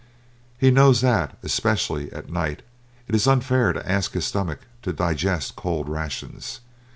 He knows that, especially at night, it is unfair to ask his stomach to digest cold rations.